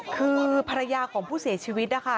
คือภรรยาของผู้เสียชีวิตนะคะ